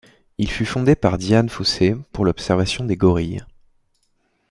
Il fut fondé par Dian Fossey pour l'observation des gorilles.